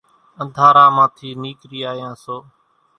انڌارا مان ٿي نيڪري آيان سو